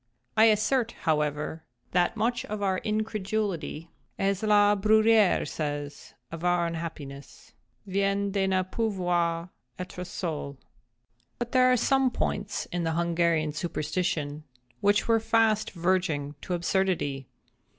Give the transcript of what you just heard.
I assert, however, that much of our incredulity—as La Bruyère says of all our unhappiness—"vient de ne pouvoir être seuls." {*1} But there are some points in the Hungarian superstition which were fast verging to absurdity.